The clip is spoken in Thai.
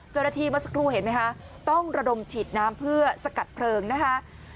เจ้าหน้าทีมาสักครู่เห็นมั้ยคะต้องระดมฉีดน้ำเพื่อสกัดเพลิงนะคะ